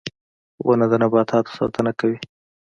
• ونه د نباتاتو ساتنه کوي.